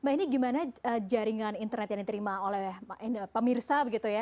mbak ini gimana jaringan internet yang diterima oleh pemirsa begitu ya